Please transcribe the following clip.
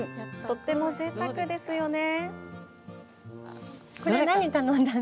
とっても、ぜいたくですよね。